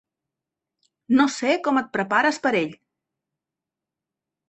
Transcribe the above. No sé com et prepares per ell.